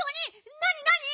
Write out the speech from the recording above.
なになに？